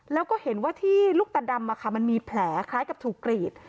แล้วก็เห็นว่าที่ลูกตาดำมันมีแผลคล้ายกับถูกกรีด